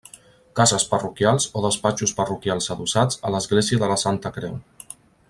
Cases parroquials o despatxos parroquials adossats a l'església de la Santa Creu.